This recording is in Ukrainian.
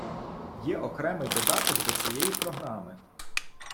Є окремий додаток до цієї програми.